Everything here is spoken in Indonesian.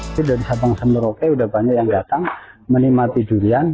itu dari sabang semeroke udah banyak yang datang menikmati durian